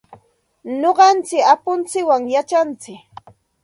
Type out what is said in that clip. Nuqanchik apuntsikwan yachantsik.